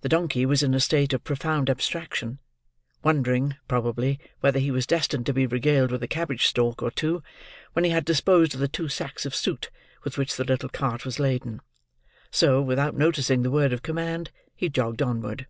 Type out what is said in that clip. The donkey was in a state of profound abstraction: wondering, probably, whether he was destined to be regaled with a cabbage stalk or two when he had disposed of the two sacks of soot with which the little cart was laden; so, without noticing the word of command, he jogged onward.